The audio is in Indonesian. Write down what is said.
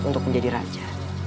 untuk menjadi raja